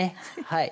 はい。